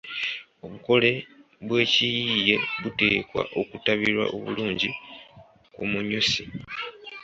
Obukole bw’ekiyiiye buteekwa okutabirwa obulungi ku munyusi.